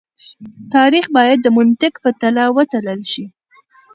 تاريخ بايد د منطق په تله وتلل شي.